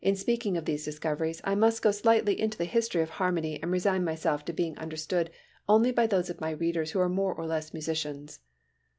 In speaking of these discoveries I must go slightly into the theory of harmony and resign myself to being understood only by those of my readers who are more or less musicians.